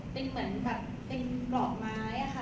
เป็นเหมือนแบบเป็นดอกไม้ค่ะ